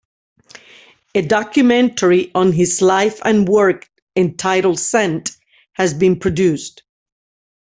A documentary on his life and work entitled "Sent" has been produced.